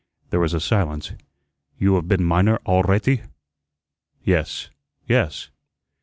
There was a silence. "You hev been miner alretty?" "Yes, yes."